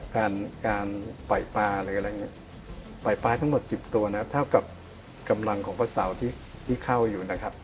การการปล่อยปลาหรืออะไรอย่างนี้ปล่อยปลาทั้งหมด๑๐ตัวนะเท่ากับกำลังของพระเสาที่เข้าอยู่นะครับ